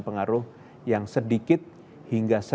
v satu enam satu dari inggris